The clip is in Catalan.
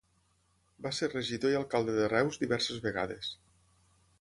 Va ser regidor i alcalde de Reus diverses vegades.